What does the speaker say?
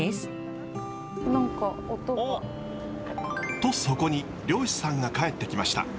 とそこに漁師さんが帰ってきました。